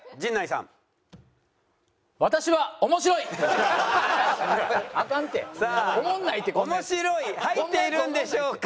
さあ「面白い」入っているんでしょうか？